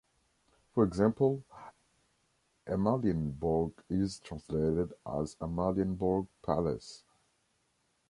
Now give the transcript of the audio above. For example, Amalienborg is translated as Amalienborg Palace.